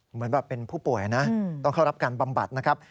เหมือนแบบเป็นผู้ป่วยนะต้องเข้ารับการบำบัดนะครับ